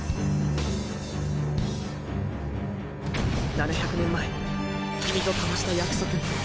７００年前君と交わした約束